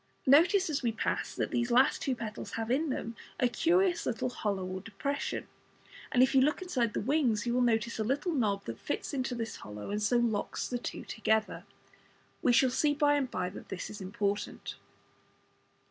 Notice as we pass that these two last petals have in them a curious little hollow or depression, and if you look inside the "wings" you will notice a little knob that fits into this hollow, and so locks the two together. We shall see by and by that this is important.